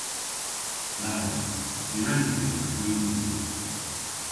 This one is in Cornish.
Na wren. Ny wren ni eva gwin gwynn.